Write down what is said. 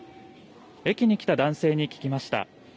駅に来た男性に聞きました。